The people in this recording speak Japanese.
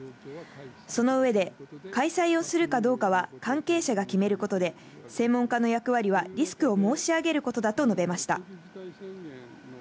その上で開催をするかどうかは関係者が決めることで、専門家の役割はリスクを申し上げることだと述べました。